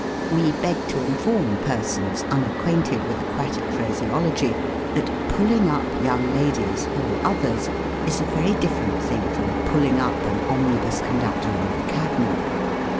We beg to inform persons unacquainted wil h aquatic phraseology, that '■'• pullinp up" young ladies, or others, is a very different thing from "pulling up" an omnibus conductor or a cabman.